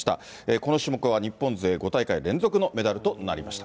この種目は日本勢５大会連続のメダルとなりました。